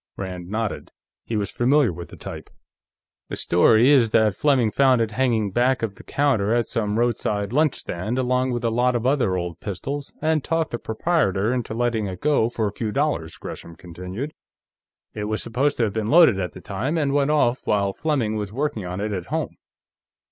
Rand nodded. He was familiar with the type. "The story is that Fleming found it hanging back of the counter at some roadside lunch stand, along with a lot of other old pistols, and talked the proprietor into letting it go for a few dollars," Gresham continued. "It was supposed to have been loaded at the time, and went off while Fleming was working on it, at home."